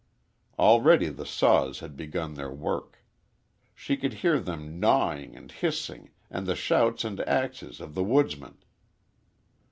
Already the saws had begun their work. She could hear them gnawing and hissing and the shouts and axes of the woodsmen.